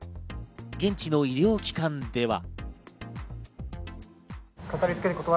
現地の医療機関では。